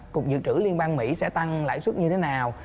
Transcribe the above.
cục dự trữ liên bang mỹ sẽ tăng lãi suất như thế nào